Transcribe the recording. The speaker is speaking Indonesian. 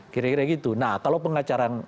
kira kira begitu nah kalau pengacara yang